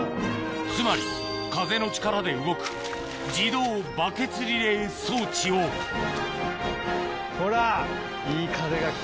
つまり風の力で動く自動バケツリレー装置をほら！